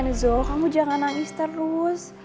nezo kamu jangan nangis terus